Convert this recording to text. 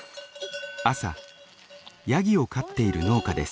朝ヤギを飼っている農家です。